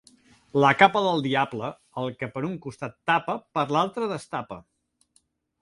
La capa del diable, el que per un costat tapa, per altre destapa.